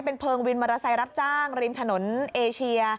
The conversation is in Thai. เป็นเพลิงวินมอเตอร์ไซค์รับจ้างริมถนนเอเชีย